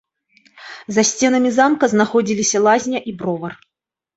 За сценамі замка знаходзіліся лазня і бровар.